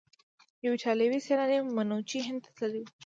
یو ایټالیایی سیلانی منوچي هند ته تللی و.